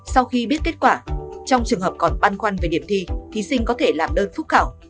sau khi biết kết quả trong trường hợp còn băn khoăn về điểm thi thí sinh có thể làm đơn phúc khảo